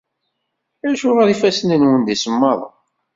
Acuɣer ifassen-nwen d isemmaḍen?